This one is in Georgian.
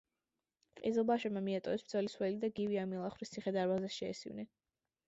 ყიზილბაშებმა მიატოვეს ბრძოლის ველი და გივი ამილახვრის ციხე-დარბაზებს შეესივნენ.